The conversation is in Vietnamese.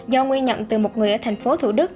do nguyên nhận từ một người ở thành phố thủ đức